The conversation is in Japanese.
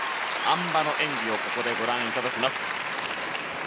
あん馬の演技をご覧いただきます。